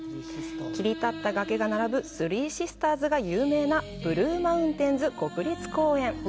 切り立った崖が並ぶスリー・シスターズが有名なブルーマウンテンズ国立公園。